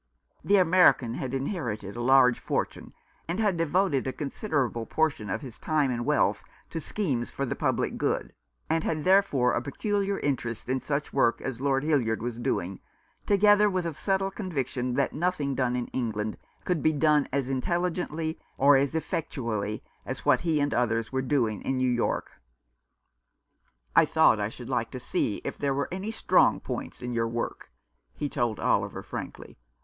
The American had inherited a large fortune, and had devoted a considerable portion of his time and wealth to schemes for the public good, and had, 321 Y Rough Justice. therefore, a peculiar interest in such work as Lord Hildyard was doing, together with a settled con viction that nothing done in England could be done as intelligently or as effectually as what he and others were doing in New York. " I thought I should like to see if there were any strong points in your work," he told Oliver frankly.